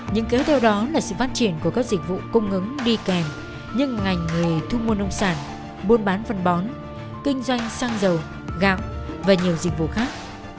nhưng kế theo đó là sự phát triển của các dịch vụ công ứng đi kèm như ngành nghề thu mua nông sản buôn bán văn bón kinh doanh xăng dầu gạo và nhiều dịch vụ khác